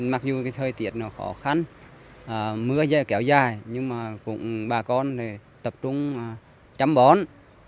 mặc dù thời tiết khó khăn mưa kéo dài nhưng bà con tập trung chăm bón